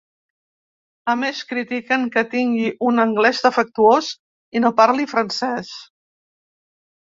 A més, critiquen que tingui un anglès defectuós i no parli francès.